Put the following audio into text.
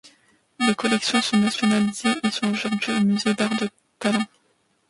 Les collections sont nationalisées et sont aujourd'hui au musée d'Art de Tallinn.